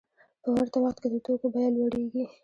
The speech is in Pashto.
په ورته وخت کې د توکو بیه لوړېږي